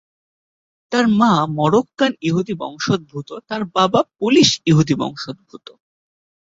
তার মা মরোক্কান-ইহুদি বংশদ্ভুত, তার বাবা পোলিশ-ইহুদি বংশদ্ভুত।